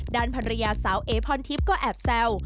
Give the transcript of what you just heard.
ด้านภรรยาสาวเอพรทิพย์ก็แอบแซว